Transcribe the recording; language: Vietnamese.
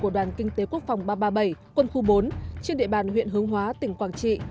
tới quốc phòng ba trăm ba mươi bảy quân khu bốn trên địa bàn huyện hướng hóa tỉnh quảng trị